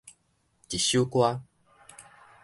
一首歌